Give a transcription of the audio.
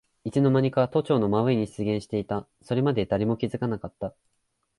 いつのまにか都庁の真上に出現していた。それまで誰も気づかなかった。